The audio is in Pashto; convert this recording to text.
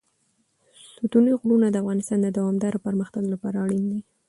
ستوني غرونه د افغانستان د دوامداره پرمختګ لپاره اړین دي.